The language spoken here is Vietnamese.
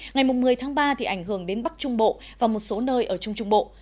ngày một mươi tháng ba thì ảnh hưởng đến bắc trung bộ và một số nơi ở trung trung bộ